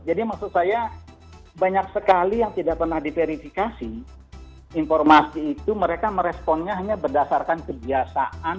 jadi maksud saya banyak sekali yang tidak pernah diverifikasi informasi itu mereka meresponnya hanya berdasarkan kebiasaan